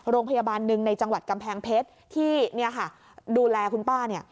โรงพยาบาลหนึ่งในจังหวัดกำแพงเพชรที่ดูแลคุณป้า